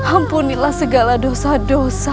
ampunilah segala dosa dosa